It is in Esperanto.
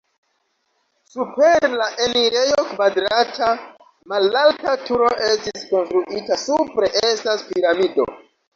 Super la enirejo kvadrata malalta turo estis konstruita, supre estas piramido.